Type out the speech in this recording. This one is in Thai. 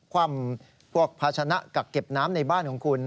ความพวกภาชนะกักเก็บน้ำในบ้านของคุณ